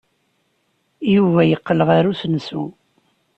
Yuba yeqqel ɣer usensu.